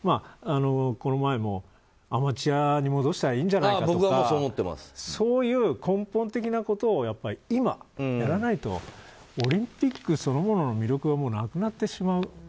この前もアマチュアに戻したらいいんじゃないかとかそういう根本的なことを今、やらないとオリンピックそのものの魅力がなくなってしまう。